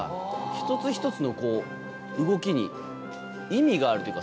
１つ１つの動きに意味があるというか。